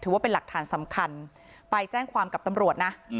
ว่าเป็นหลักฐานสำคัญไปแจ้งความกับตำรวจนะ